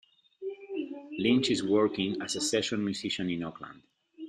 Lynch is working as a session musician in Auckland.